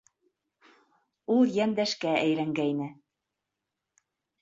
Ул йәндәшкә әйләнгәйне.